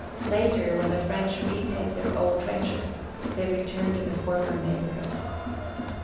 Later, when the French retake their old trenches, they return to the former neighborhood.